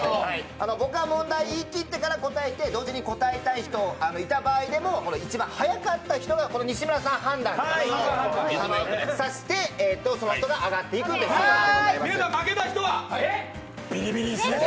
僕が問題言い切ってから答えて同時に答えたい人がいた場合でも一番早かった人が西村さん判断でその人があがっていくっていう流れになります。